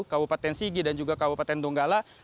kabupaten sigi dan juga kabupaten donggala